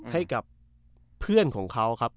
ให้กับเพื่อนของเขาครับ